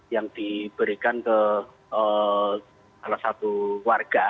yang diberikan ke salah satu warga